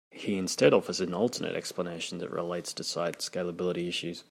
He instead offers an alternate explanation that relates to site scalability issues.